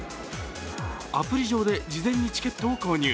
アプリ上で事前にチケットを購入。